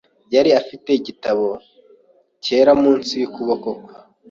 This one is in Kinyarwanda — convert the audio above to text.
Yari afite igitabo cyera munsi yukuboko kwe .